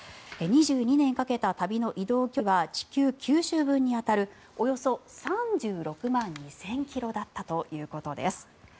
２２年かけた旅の移動距離は地球９周分に当たるおよそ３６万２０００ｋｍだったということです。